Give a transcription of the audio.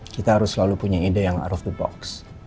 kita harus selalu punya ide yang out of the box